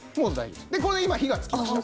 これで今火がつきました。